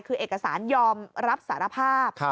คือเอกสารยอมรับสารภาพ